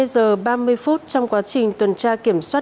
trong quá trình tuần tra kiểm soát